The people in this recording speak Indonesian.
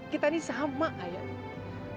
kita nih sama ayah